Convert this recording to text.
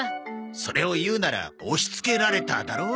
それを言うなら「押しつけられた」だろ？